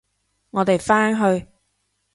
我哋返去！